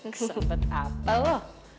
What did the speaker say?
kesempat apa lo